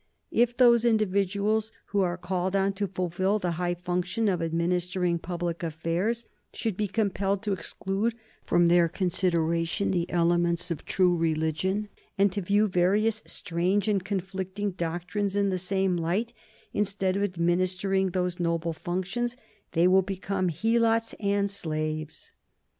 If those individuals who are called on to fulfil the high function of administering public affairs should be compelled to exclude from their consideration the elements of true religion, and to view various strange and conflicting doctrines in the same light, instead of administering those noble functions, they will become helots and slaves."